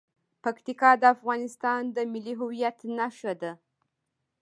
پکتیکا د افغانستان د ملي هویت نښه ده.